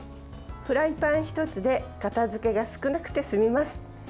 フライパン１つで片づけが少なくて済みます。